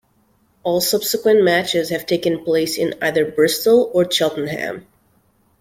All subsequent matches have taken place in either Bristol or Cheltenham.